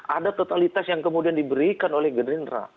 ada totalitas yang kemudian diberikan oleh gerindra